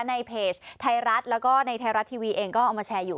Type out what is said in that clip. ในเพจไทยรัฐแล้วก็ในไทยรัฐทีวีเองก็เอามาแชร์อยู่